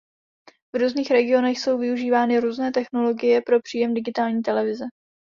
V různých regionech jsou využívány různé technologie pro příjem digitální televize.